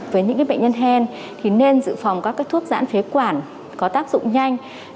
với những bệnh nhân hen thì nên giữ phòng các thuốc giãn phế quản có tác dụng nhanh